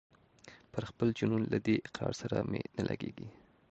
پر خپل جنون له دې اقرار سره مي نه لګیږي